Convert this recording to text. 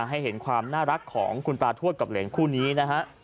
ให้เห็นความน่ารักของคุณตาทวดกับเหรนคู่นี้นะฮะ